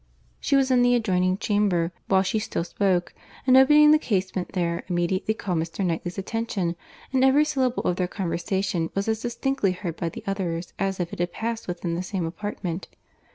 She was in the adjoining chamber while she still spoke, and opening the casement there, immediately called Mr. Knightley's attention, and every syllable of their conversation was as distinctly heard by the others, as if it had passed within the same apartment.